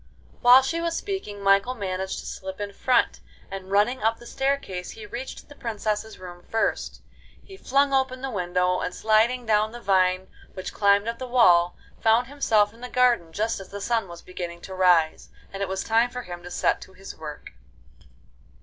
While she was speaking Michael managed to slip in front, and running up the staircase, he reached the princesses' room first. He flung open the window, and sliding down the vine which climbed up the wall, found himself in the garden just as the sun was beginning to rise, and it was time for him to set to his work.